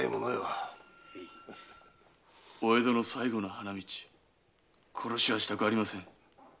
お江戸の最後の花道殺しはしたくありません。